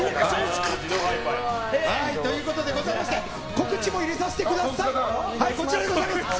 告知も入れさせてください。